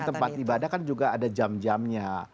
dan tempat ibadah kan juga ada jam jamnya